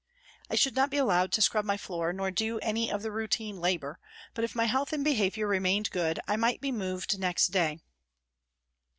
I should not be allowed to scrub my floor nor do any of the routine " labour," but if my health and behaviour (!) remained good, I might be moved next day.